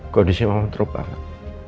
kondisi mama drop banget